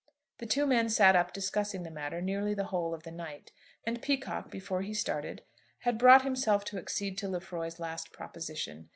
The two men sat up discussing the matter nearly the whole of the night, and Peacocke, before he started, had brought himself to accede to Lefroy's last proposition.